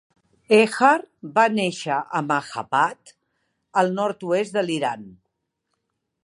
Hejar va néixer a Mahabad, al nord-oest de l'Iran.